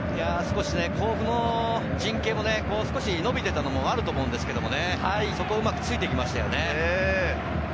甲府の陣形も少し伸びていたこともあると思うんですけれど、そこをうまくついて行きましたね。